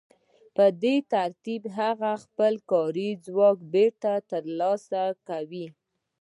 په دې ترتیب هغه خپل کاري ځواک بېرته ترلاسه کوي